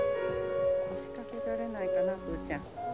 腰掛けられないかなブちゃん。